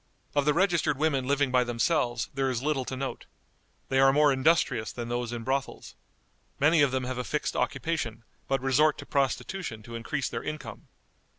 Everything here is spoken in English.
Of the registered women living by themselves there is little to note. They are more industrious than those in brothels. Many of them have a fixed occupation, but resort to prostitution to increase their income.